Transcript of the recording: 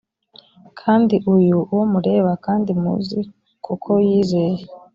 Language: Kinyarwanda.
kandi uyu uwo mureba kandi muzi kuko yizeye